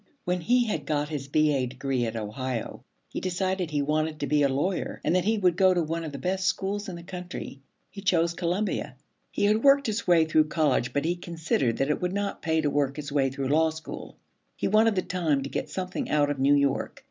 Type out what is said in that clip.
When he had got his B.A. degree at Ohio, he decided that he wanted to be a lawyer, and that he would go to one of the best schools in the country. He chose Columbia. He had worked his way through college, but he considered that it would not pay to work his way through Law School. He wanted the time to get something out of New York.